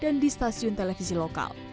dan di stasiun televisi lokal